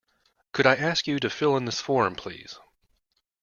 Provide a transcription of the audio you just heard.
Could I ask you to fill in this form, please?